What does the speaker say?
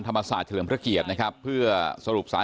แต่ว่าเขาตามมาเหมือนกัน